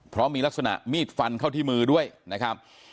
เพราะมีลักษณะมีดฟันเข้าที่มือด้วยนะครับ